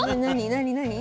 何？